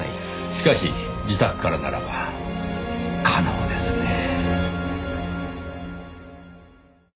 しかし自宅からならば可能ですねぇ。